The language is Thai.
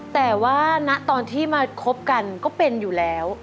แต่ว่าณตอนที่มาคบกันก็เป็นอยู่แล้ว